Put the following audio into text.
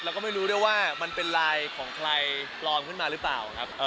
แล้วก็ไม่รู้ด้วยว่ามันเป็นลายของใครปลอมขึ้นมาหรือเปล่าครับ